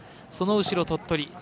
その後ろ、鳥取。